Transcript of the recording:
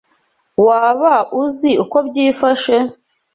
Waba uzi uko byifashe?